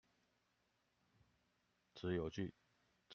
只有距離沒有遠傳